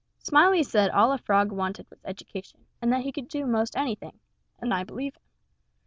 Smiley said all a frog wanted was education and he could do 'most anything and I believe him.